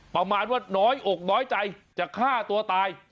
ประมาณว่าน้อยอกน้อยใจจะฆ่าตัวตาย